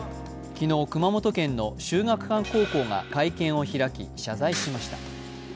昨日、熊本県の秀岳館高校が会見を開き謝罪しました。